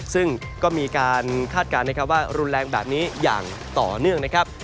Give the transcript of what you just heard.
ซึ่งก็มีการคาดการณ์นะครับว่ารุนแรงแบบนี้อย่างต่อเนื่องนะครับ